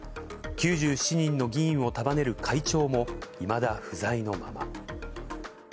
９７人の議員を束ねる会長もいまだ不在のまま。